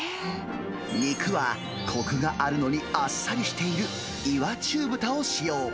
肉はこくがあるのにあっさりしている岩中豚を使用。